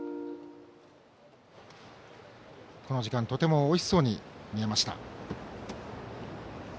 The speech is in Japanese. この時間とてもおいしそうに見えました。